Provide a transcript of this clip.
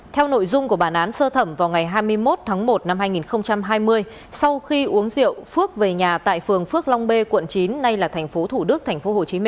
theo nội dung của bản án sơ thẩm vào ngày hai mươi một tháng một năm hai nghìn hai mươi sau khi uống rượu phước về nhà tại phường phước long b quận chín nay là tp thủ đức tp hcm